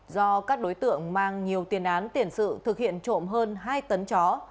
do các đối tượng mang nhiều tiền án tiền sự thực hiện trộm hơn hai tấn chó